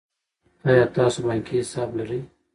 آیا تاسو بانکي حساب لرئ.